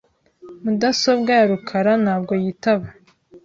Mudasobwa ya rukara ntabwo yitaba .